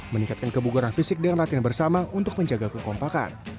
meningkatkan kebugaran fisik dengan latihan bersama untuk menjaga kekompakan